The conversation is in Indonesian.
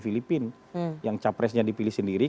filipina yang capresnya dipilih sendiri